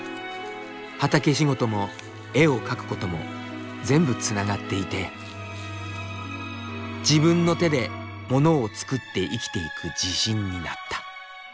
畑仕事も絵を描くことも全部つながっていて自分の手でものを作って生きていく自信になった。